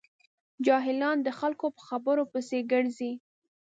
جاهلان د خلکو په خبرو پسې ګرځي.